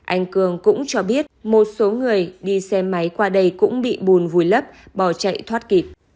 anh cường cũng cho biết một số người đi xe máy qua đây cũng bị bùn vùi lấp bỏ chạy thoát kịp